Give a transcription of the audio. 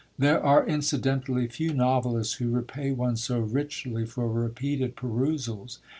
There are incidentally few novelists who repay one so richly for repeated perusals.